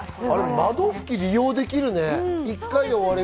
窓拭き、利用できるね。